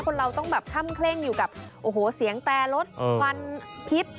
คนเราต้องแบบค่ำเคร่งอยู่กับโอ้โหเสียงแตรรถควันพลิพอย่างนี้